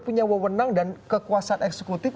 punya wewenang dan kekuasaan eksekutif